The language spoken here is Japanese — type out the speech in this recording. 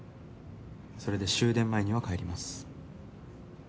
それで終電前には帰ります。